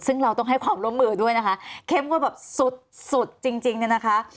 ซึ่งเราต้องให้ความร่วมมือด้วยนะคะเข้มงวดแบบสุดสุดจริงเนี่ยนะคะ